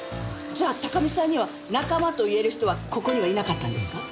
じゃあ高見さんには「仲間」と言える人はここにはいなかったんですか？